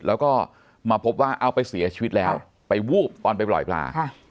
แล้วก็มาพบว่าเอาไปเสียชีวิตแล้วไปวูบตอนไปปล่อยปลา